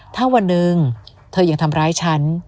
ถ้าวันหนึ่งเธอยังทำร้ายฉัน